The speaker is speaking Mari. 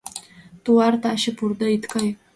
— Тулар, таче пурыде ит кай...